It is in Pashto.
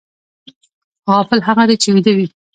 غافل هغه دی چې ویده وي